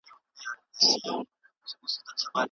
که درسونه ژبني پلوه مناسب وي نو ایا تېروتني نه کمېږي.